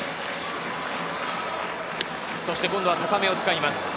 今度は高めを使います。